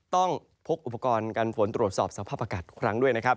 พกอุปกรณ์การฝนตรวจสอบสภาพอากาศทุกครั้งด้วยนะครับ